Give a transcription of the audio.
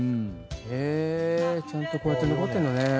へぇちゃんとこうやって残ってんだね。